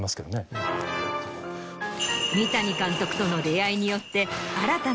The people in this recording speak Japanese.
三谷監督との出会いによって。